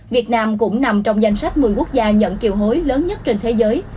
việt nam cũng nằm trong danh sách một mươi quốc gia nhận kiều hối lớn nhất trên thế giới